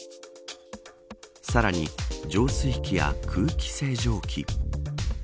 さらに浄水器や空気清浄機。